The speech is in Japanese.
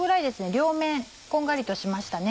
両面こんがりとしましたね。